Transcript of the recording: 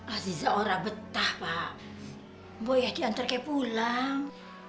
aziza orang betah pak boleh diantar ke pulang